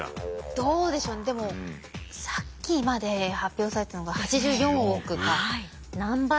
どうでしょうねでもさっきまで発表されたのが８４億か。